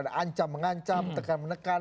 dengan ancam mengancam tekan menekan